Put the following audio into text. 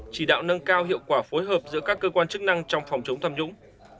chỉ đạo nâng cao hiệu quả phối hợp giữa các cơ quan chức năng trong phòng chống tham nhũng